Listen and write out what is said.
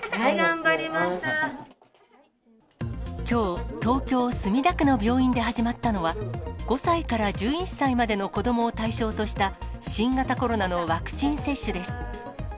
きょう、東京・墨田区の病院で始まったのは、５歳から１１歳までの子どもを対象とした、新型コロナのワクチン接種です。